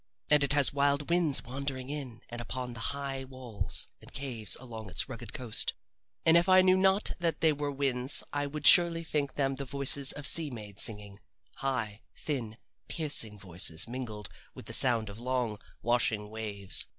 And it has wild winds wandering in and upon the high walls and caves along its rugged coast and if I knew not that they were winds I would surely think them the voices of sea maids singing high, thin, piercing voices mingled with the sound of long, washing waves.